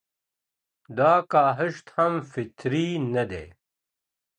دا کاهشت هم فطري نه دی